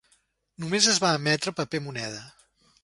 Només es va emetre paper moneda.